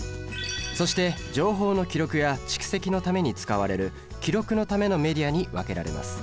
そして情報の記録や蓄積のために使われる「記録のためのメディア」に分けられます。